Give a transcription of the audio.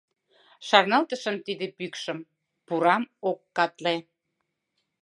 Шарналтышым тиде пӱкшым, пурам — ок катле.